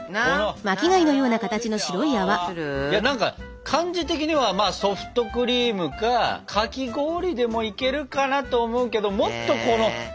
何か感じ的にはソフトクリームかかき氷でもいけるかなと思うけどでももっとこのふわふわした！